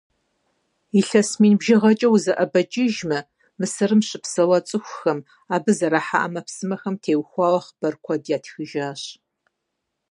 Илъэс мин бжыгъэкӏэ узэӏэбэкӏыжмэ, Мысырым щыпсэуа цӏыхухэм, абы зэрахьа ӏэмэпсымэхэм теухуауэ хъыбар куэд ятхыжащ.